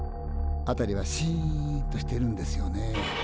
辺りはシンとしてるんですよね。